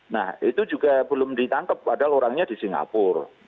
nah itu juga belum ditangkap padahal orangnya di singapura